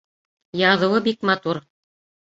Яҙыуы бик матур.